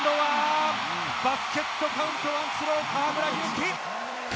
バスケットカウントワンスロー、河村勇輝。